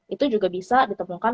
itu juga bisa ditemukan